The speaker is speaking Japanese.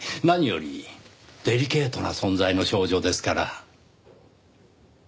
何よりデリケートな存在の少女ですから。